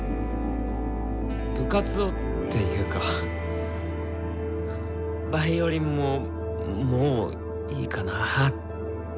部活をっていうかヴァイオリンももういいかなみたいな？